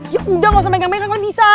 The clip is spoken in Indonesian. ya udah gak usah megang megang kan bisa